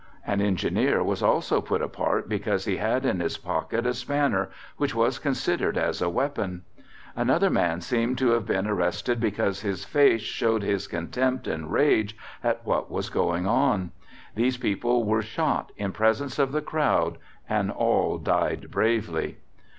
An engineer was also put apart because he had in his pocket a spanner, which was considered as a weapon. Another man seems to have been arrested because his face showed his contempt and rage at what was going on. These people were shot in presence of the crowd and all died bravely.